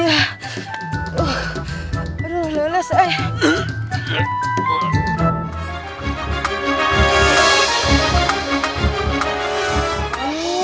aduh lelah saya